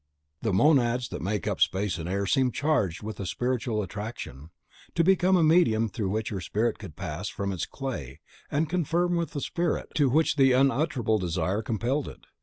The monads that make up space and air seemed charged with a spiritual attraction, to become a medium through which her spirit could pass from its clay, and confer with the spirit to which the unutterable desire compelled it.